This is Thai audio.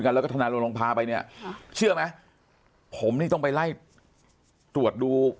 แล้วก็ทนายลงพาไปเนี่ยเชื่อไหมผมนี่ต้องไปไล่ตรวจดู